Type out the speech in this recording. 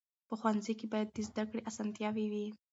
په ښوونځي کې باید د زده کړې اسانتیاوې وي.